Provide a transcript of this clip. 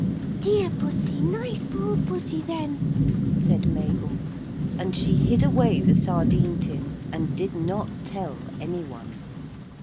] 'Dear pussy, nice poor pussy, then,' said Mabel, and she hid away the sardine tin and did not tell any one.